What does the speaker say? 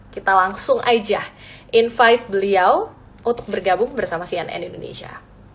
kita langsung aja invive beliau untuk bergabung bersama cnn indonesia